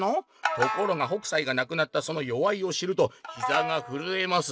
「ところが北斎が亡くなったそのよわいを知るとひざがふるえます！」。